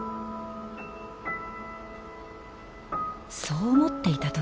そう思っていた時。